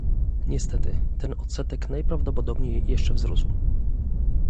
Niestety, ten odsetek najprawdopodobniej jeszcze wzrósł